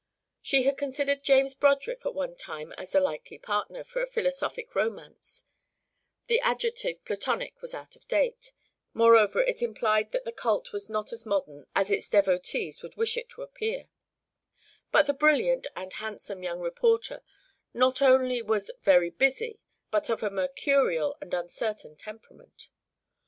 She had considered James Broderick at one time as a likely partner for a philosophic romance (the adjective Platonic was out of date; moreover, it implied that the cult was not as modern as its devotees would wish it to appear); but the brilliant (and handsome) young reporter not only was very busy but of a mercurial and uncertain temperament.